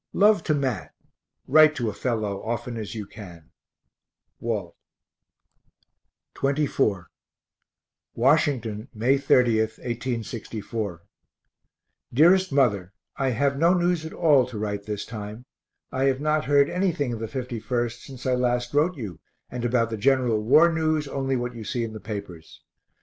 Love to Mat write to a fellow often as you can. WALT. XXIV Washington, May 30, 1864. DEAREST MOTHER I have no news at all to write this time. I have not heard anything of the 51st since I last wrote you, and about the general war news only what you see in the papers.